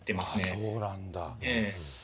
そうなんだ。